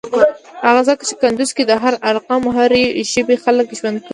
هغه ځکه چی کندوز کی د هر قام او هری ژبی خلک ژوند کویی.